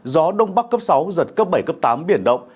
gió đông bắc cấp sáu giật cấp bảy cấp tám biển động